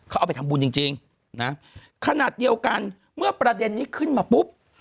เขาเอาไปทำบุญจริงจริงนะขนาดเดียวกันเมื่อประเด็นนี้ขึ้นมาปุ๊บ